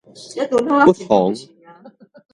不妨